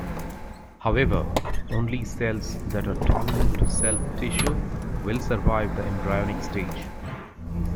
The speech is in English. However, only cells that are tolerant to self tissue will survive the embryonic stage.